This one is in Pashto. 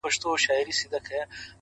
د غلطو پرېکړو لور ته یوسي